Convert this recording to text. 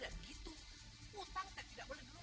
tetapi workers personals tidak bisa menolak di luarasi